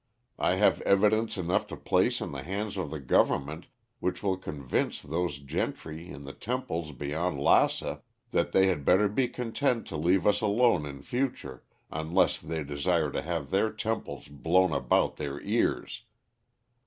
I have evidence enough to place in the hands of the Government which will convince those gentry in the temples beyond Lassa that they had better be content to leave us alone in future unless they desire to have their temples blown about their ears.